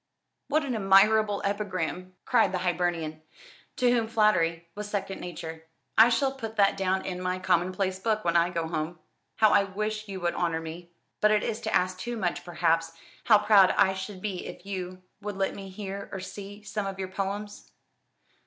"What an admirable epigram!" cried the Hibernian, to whom flattery was second nature. "I shall put that down in my commonplace book when I go home. How I wish you would honour me but it is to ask too much, perhaps how proud I should be if you would let me hear, or see, some of your poems."